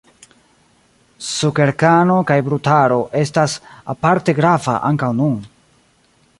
Sukerkano kaj brutaro estas aparte grava ankaŭ nun.